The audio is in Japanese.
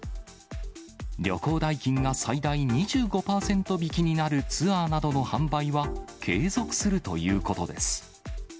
旅行代金が最大２５％引きになるツアーなどの販売は継続するということです。